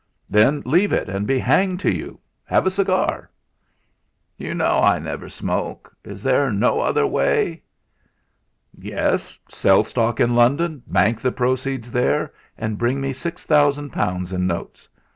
"Then leave it, and be hanged to you. Have a cigar?" "You know I never smoke. Is there no other way?" "Yes. Sell stock in London, bank the proceeds there, and bring me six thousand pounds in notes.